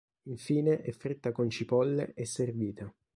Infine è fritta con cipolle e servita.